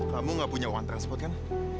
kamu gak punya uang transport kan